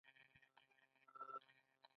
سانکو هغه کسان چې پاڅېدلي وو ټول اعدام کړل.